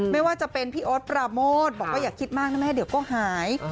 ไม่ว่าจะเป็นพี่โอ๊ตปราโมทบอกว่าอย่าคิดมากนะแม่เดี๋ยวก็หาย